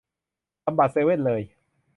ทำบัตรเซเว่นเลย